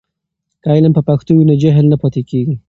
که علم په پښتو وي نو جهل نه پاتې کېږي.